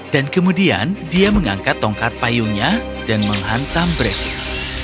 dan kemudian dia mengangkat tongkat payunya dan menghantam brevis